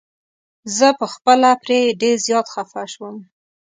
زه په خپله پرې ډير زيات خفه شوم.